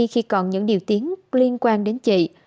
khi còn những điều tiếng liên quan đến chị